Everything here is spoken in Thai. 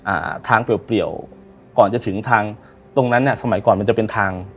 อ่าทางเปรียเปรียวก่อนจะถึงทางตรงนั้นเนี้ยสมัยก่อนมันจะเป็นทาง